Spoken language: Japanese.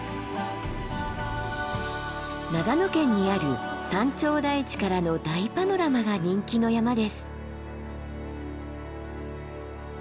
長野県にある山頂台地からの大パノラマが人気の山です。